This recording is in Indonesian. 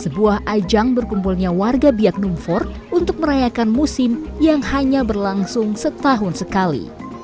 sebuah ajang berkumpulnya warga biak numfor untuk merayakan musim yang hanya berlangsung setahun sekali